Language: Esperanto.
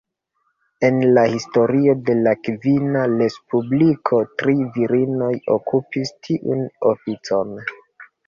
En la historio de la kvina Respubliko, tri virinoj okupis tiun oficon.